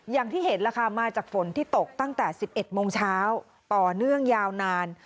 อย่างที่เห็นล่ะค่ะมาจากฝนที่ตกตั้งแต่๑๑โมงเช้าต่อเนื่องยาวนาน